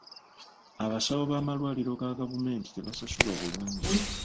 Abasawo b'amalwaliro ga gavumenti tebasasulwa bulungi.